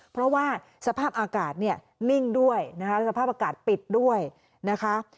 เพราะว่าสภาพอากาศเนี่ยนิ่งด้วยนะคะสภาพอากาศปิดด้วยนะคะ